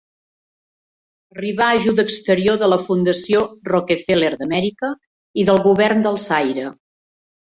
Arribà ajuda exterior de la Fundació Rockefeller d'Amèrica i del govern del Zaire.